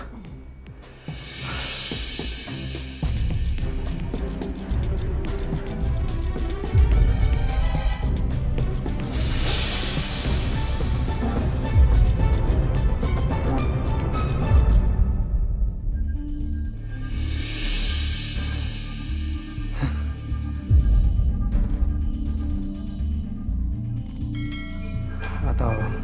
saat untuk hambung